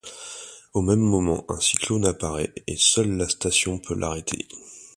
Au même moment, un cyclone apparaît et seule la station peut l'arrêter.